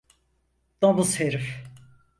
Domuz herif!